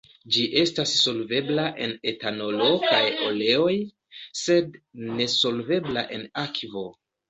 Ĝi estas solvebla en etanolo kaj oleoj, sed nesolvebla en akvo.